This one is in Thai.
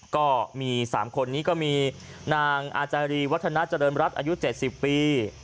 ก็มี๓คนนี้ก็มีนางอาจารีวัฒนาเจริญรัฐอายุ๗๐ปี